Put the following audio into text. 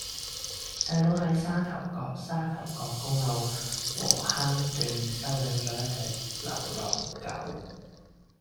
細佬喺沙頭角沙頭角公路禾坑段收養左一隻流浪狗